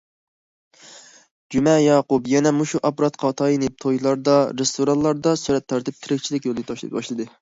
جۈمە ياقۇپ يەنە مۇشۇ ئاپپاراتقا تايىنىپ، تويلاردا، رېستورانلاردا سۈرەت تارتىپ تىرىكچىلىك يولىنى باشلىدى.